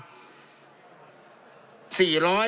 จำนวนเนื้อที่ดินทั้งหมด๑๒๒๐๐๐ไร่